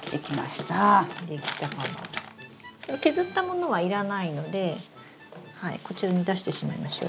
この削ったものは要らないのでこちらに出してしまいましょう。